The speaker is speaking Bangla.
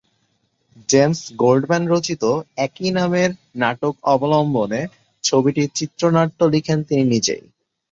জেমস গোল্ডম্যান রচিত "একই নামের" নাটক অবলম্বনে ছবিটির চিত্রনাট্য লিখেন তিনি নিজেই।